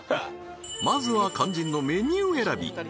まずは肝心のメニュー選び